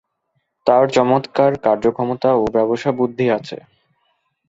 তাঁর চমৎকার কার্যক্ষমতা ও ব্যবসাবুদ্ধি আছে।